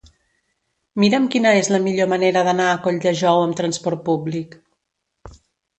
Mira'm quina és la millor manera d'anar a Colldejou amb trasport públic.